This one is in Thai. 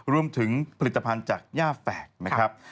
รวมถึงผลิตภัณฑ์จากย่าแฝกนะครับ